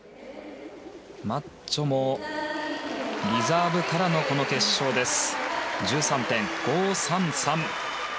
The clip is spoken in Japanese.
マッジョもリザーブからのこの決勝です。１３．５３３。